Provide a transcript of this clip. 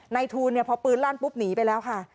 ทูลพอปืนลั่นปุ๊บหนีไปแล้วค่ะ